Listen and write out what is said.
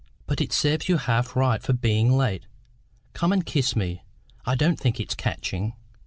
But it serves you half right for being late. Come and kiss me; I don't think it's catching.